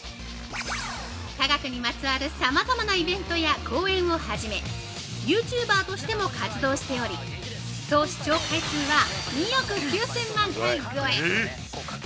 科学にまつわる、さまざまなイベントや講演をはじめユーチューバーとしても活動しており総視聴回数は２億９０００万回超え！